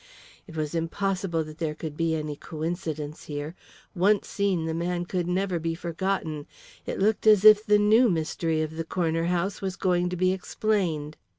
It was impossible that there could be any coincidence here. Once seen the man could never be forgotten. It looked as if the new mystery of the corner house was going to be explained.